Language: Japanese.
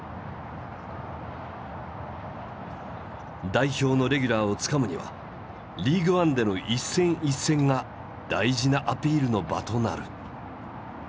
代表のレギュラーをつかむにはリーグワンでの一戦一戦が大事なアピールの場となる。